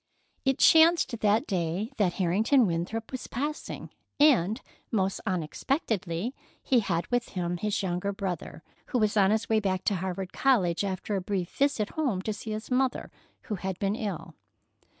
It chanced that day that Harrington Winthrop was passing, and, most unexpectedly, he had with him his younger brother, who was on his way back to Harvard College, after a brief visit home to see his mother, who had been ill.